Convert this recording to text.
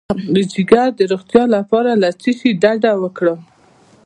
د ځیګر د روغتیا لپاره له څه شي ډډه وکړم؟